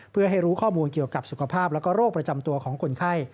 เพื่อให้รู้ข้อมูลเกี่ยวกับสุขภาพและโรคประจำตัวของคนไข้